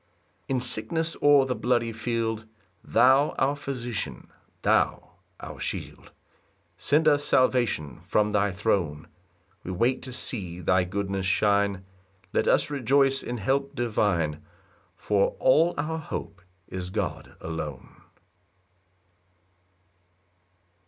4 In sickness or the bloody field, Thou our physician, thou our shield, Send us salvation from thy throne; We wait to see thy goodness shine; Let us rejoice in help divine, For all our hope is God alone.